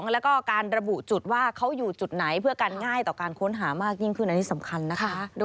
แล้วก็การระบุจุดว่าเขาอยู่จุดไหนเพื่อการง่ายต่อการค้นหามากยิ่งขึ้นอันนี้สำคัญนะคะ